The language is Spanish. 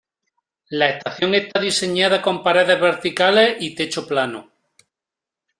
La estación está diseñada con paredes verticales y techo plano.